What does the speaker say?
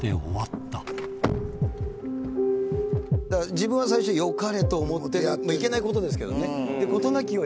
自分は最初善かれと思っていけないことですけどね。